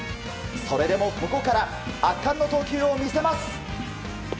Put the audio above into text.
それでもここから圧巻の投球を見せます！